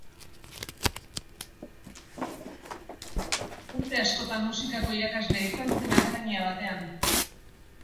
Urte askotan, musikako irakaslea izan zen akademia batean.